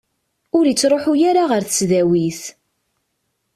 Ur ittruḥu ara ɣer tesdawit.